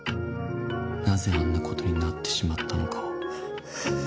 なぜあんなことになってしまったのかを。